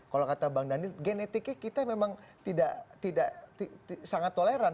kalau kata bang daniel genetiknya kita memang tidak sangat toleran